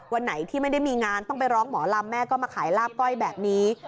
วันไหนที่ไม่ได้มีงานต้องไปร้องหมอลำแม่ก็มาขายลาบก้อยแบบนี้